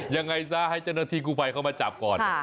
ยังไงซะให้เจ้าหน้าที่กู้ภัยเข้ามาจับก่อน